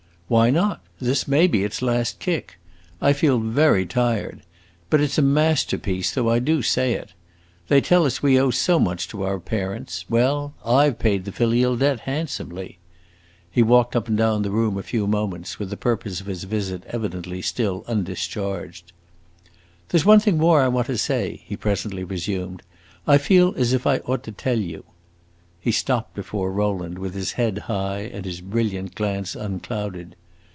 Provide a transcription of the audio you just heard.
"Why not? This may be its last kick! I feel very tired. But it 's a masterpiece, though I do say it. They tell us we owe so much to our parents. Well, I 've paid the filial debt handsomely!" He walked up and down the room a few moments, with the purpose of his visit evidently still undischarged. "There 's one thing more I want to say," he presently resumed. "I feel as if I ought to tell you!" He stopped before Rowland with his head high and his brilliant glance unclouded.